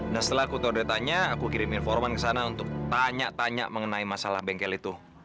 dan setelah aku tahu data nya aku kirim informan ke sana untuk tanya tanya mengenai masalah bengkel itu